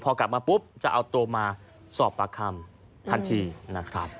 พอกลับมาปุ๊บจะเอาตัวมาสอบปากคำทันทีนะครับ